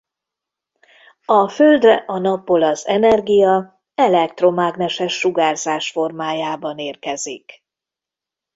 A Földre a Napból az energia elektromágneses sugárzás formájában érkezik.